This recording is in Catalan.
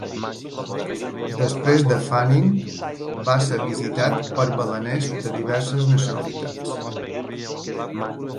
Després de Fanning, va ser visitat per baleners de diverses nacionalitats.